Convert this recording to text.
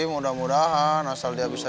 emang ada acara apa